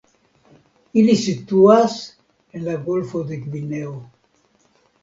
Ili situas en la golfo de Gvineo.